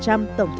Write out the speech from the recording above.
như bà vừa nói thì